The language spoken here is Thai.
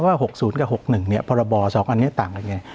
ว่า๖๐กับ๖๑พรบ๒อันนี้ต่างกันยังไง